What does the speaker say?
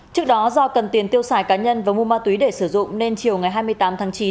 trước đó do cần tiền tiêu xài cá nhân và mua ma túy để sử dụng nên chiều ngày hai mươi tám tháng chín